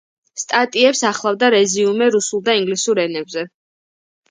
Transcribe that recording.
სტატიებს ახლავდა რეზიუმე რუსულ და ინგლისურ ენებზე.